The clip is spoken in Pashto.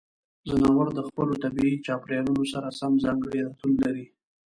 ځناور د خپلو طبیعي چاپیریالونو سره سم ځانګړې عادتونه لري.